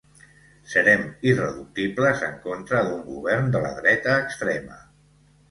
Serem irreductibles en contra d’un govern de la dreta extrema.